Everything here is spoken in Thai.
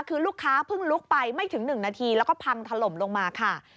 คือลูกค้าเพิ่งลุกไปไม่ถึง๑นาทีแล้วก็พังถล่มลงมาค่ะ